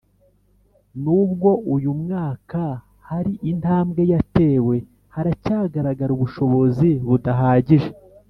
N ubwo uyu mwaka hari intambwe yatewe haracyagaragara ubushobozi budahagije